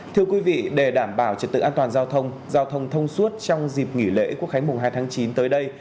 thưa quý vị để đảm bảo trật tự an toàn giao thông giao thông thông suốt trong dịp nghỉ lễ quốc khánh mùng hai tháng chín tới đây